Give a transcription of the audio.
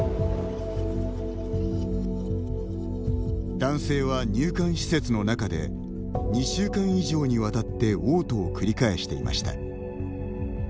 男性は入管施設の中で２週間以上にわたっておう吐を繰り返していました。